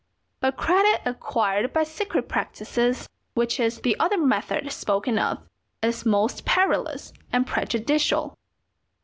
But credit acquired by secret practices, which is the other method spoken of, is most perilous and prejudicial.